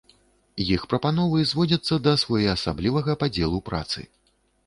Іх прапановы зводзяцца да своеасаблівага падзелу працы.